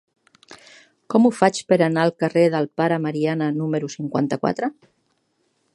Com ho faig per anar al carrer del Pare Mariana número cinquanta-quatre?